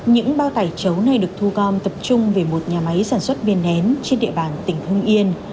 những bao tải chấu này được thu gom tập trung về một nhà máy sản xuất viên nén trên địa bàn tỉnh hưng yên